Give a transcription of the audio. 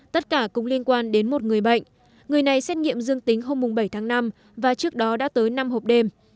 tất cả cũng liên quan đến một người bệnh người này xét nghiệm dương tính hôm bảy tháng năm và trước đó đã tới năm hộp đêm